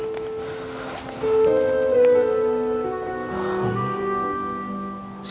saya telepon balik deh